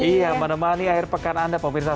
iya menemani akhir pekan anda pemirsa